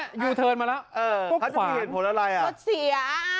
แต่เนี้ยมาแล้วเออก็ขวางเห็นผลอะไรอ่ะรถเสีย